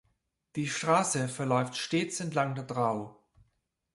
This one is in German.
Die Straße verläuft stets entlang der Drau.